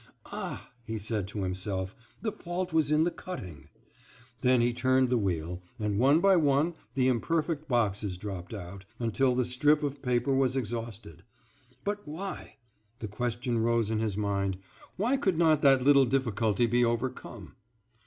"Ah," he said to himself, "the fault was in the cutting." Then he turned the wheel, and one by one the imperfect boxes dropped out, until the strip of paper was exhausted. "But why,"—the question rose in his mind,—"why could not that little difficulty be overcome?"